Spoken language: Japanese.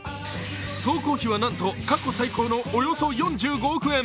総工費はなんと過去最高のおよそ４５億円。